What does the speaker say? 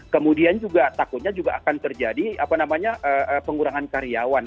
kemudian juga takutnya juga akan terjadi pengurangan karyawan